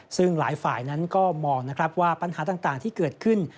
ซึ่งหลายฝ่ายนั้นก็มองนะครับว่าปัญหาต่างที่เกิดขึ้น